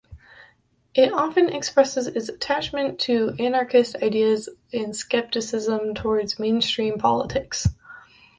It often expresses its attachment to anarchist ideas and skepticism towards mainstream politics.